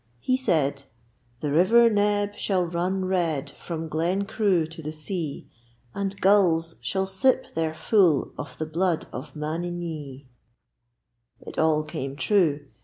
He said: The river Neb shall run red from Glen Crew to the sea, And gulls shall sip their full of the blood of Manninee. It all came true.